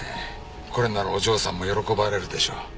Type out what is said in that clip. これならお嬢さんも喜ばれるでしょう。